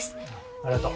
ありがとう。